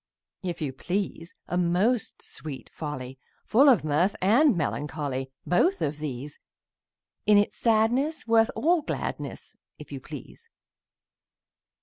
If you please, A most sweet folly! Full of mirth and melancholy: Both of these! In its sadness worth all gladness, If you please!